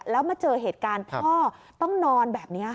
แล้วมาเจอเหตุการณ์พ่อต้องนอนแบบนี้